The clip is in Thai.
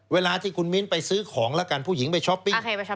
เวลาที่คุณมิ้นไปซื้อของแล้วกันผู้หญิงไปช้อปปิ้ง